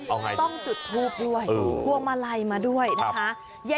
เอาไงต้องจุดทูบด้วยหัวมาลัยมาด้วยนะคะใช่ไหม